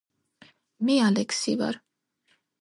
მე ალექსი ვარ